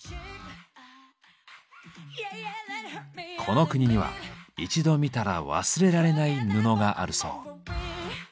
この国には一度見たら忘れられない布があるそう。